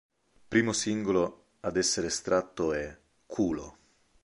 Primo singolo ad essere stato estratto è "Culo".